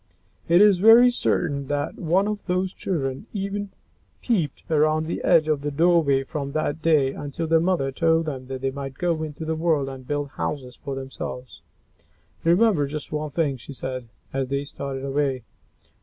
It is very certain that not one of those children even peeped around the edge of the doorway from that day until their mother told them that they might go into the world and build houses for themselves. "Remember just one thing," she said, as they started away.